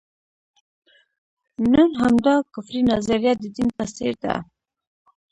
نن همدا کفري نظریه د دین په څېر ده.